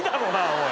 おい。